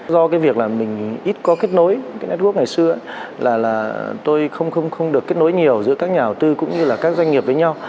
do việc mình ít có kết nối với network ngày xưa tôi không được kết nối nhiều giữa các nhà đầu tư cũng như các doanh nghiệp với nhau